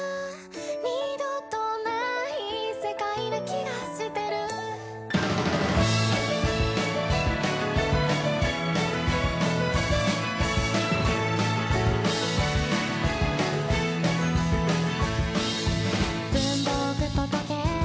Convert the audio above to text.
「二度とない世界な気がしてる」「文房具と時計